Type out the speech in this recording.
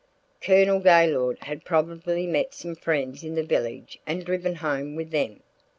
Colonel Gaylord had probably met some friends in the village and driven home with them.